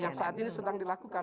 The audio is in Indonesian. yang saat ini sedang dilakukan